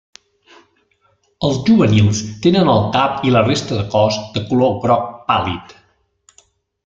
Els juvenils tenen el cap i la resta de cos de color groc pàl·lid.